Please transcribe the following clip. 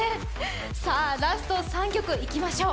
さあ、ラスト３曲いきましょう。